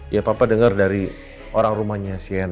ya papa dengar dari orang rumahnya cnn